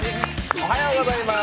おはようございます。